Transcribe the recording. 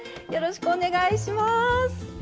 よろしくお願いします。